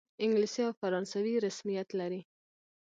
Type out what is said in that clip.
انګلیسي او فرانسوي رسمیت لري.